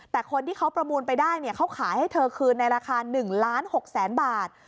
แต่คนที่เขาประมูลไปได้เขาขายให้เธอคืนในราคา๑ล้าน๖แสนบาท